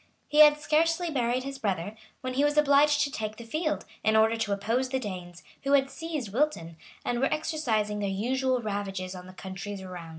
He had scarcely buried his brother, when he was obliged to take the field, in order to oppose the Danes, who had seized Wilton, and were exercising their usual ravages on the countries around.